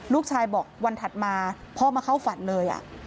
ลูกชายบอกวันถัดมาพ่อมาเข้าฝันเลย